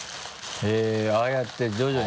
へぇっああやって徐々に。